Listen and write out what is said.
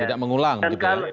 tidak mengulang gitu ya